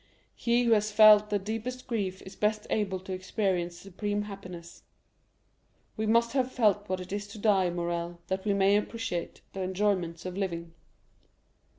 He who has felt the deepest grief is best able to experience supreme happiness. We must have felt what it is to die, Morrel, that we may appreciate the enjoyments of living.